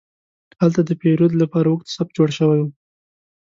هلته د پیرود لپاره اوږد صف جوړ شو.